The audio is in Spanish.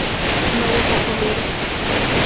no hubo comido